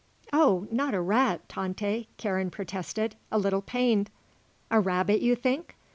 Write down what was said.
"Oh not a rat, Tante," Karen protested, a little pained. "A rabbit, you think?